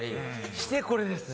してこれですね。